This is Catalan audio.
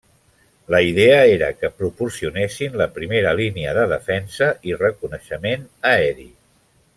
La idea era que proporcionessin la primera línia de defensa i reconeixement aeri.